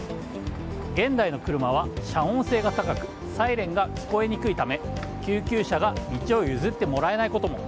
現代の車は遮音性が高くサイレンが聞こえにくいため救急車が道を譲ってもらえないことも。